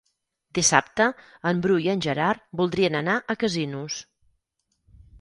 Dissabte en Bru i en Gerard voldrien anar a Casinos.